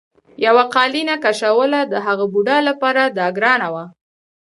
یوه قالینه کشوله د هغه بوډا لپاره دا ګرانه وه.